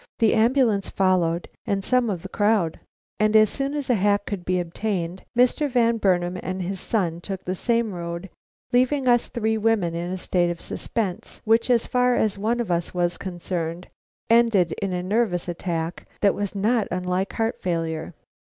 The ambulance followed and some of the crowd, and as soon as a hack could be obtained, Mr. Van Burnam and his son took the same road, leaving us three women in a state of suspense, which as far as one of us was concerned, ended in a nervous attack that was not unlike heart failure.